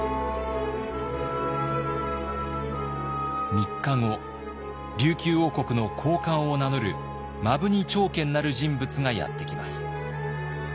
３日後琉球王国の高官を名乗る摩文仁朝健なる人物がやって来ます。